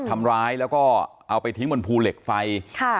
ทำร้ายแล้วก็เอาไปทิ้งบนภูเหล็กไฟค่ะ